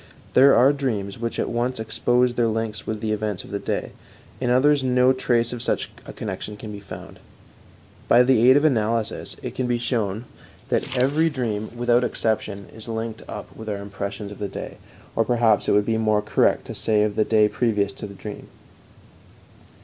There are dreams which at once expose their links with the events of the day; in others no trace of such a connection can be found. By the aid of analysis it can be shown that every dream, without any exception, is linked up with our impression of the day, or perhaps it would be more correct to say of the day previous to the dream.